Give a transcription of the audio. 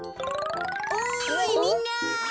おいみんな！